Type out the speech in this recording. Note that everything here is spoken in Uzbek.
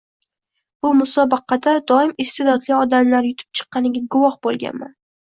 Bu musobaqada doim iste`dodli odamlar yutib chiqqaniga guvoh bo`lganman